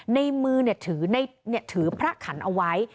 ในมือถือพระขันเอาไว้